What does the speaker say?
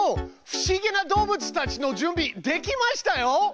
不思議な動物たちの準備できましたよ。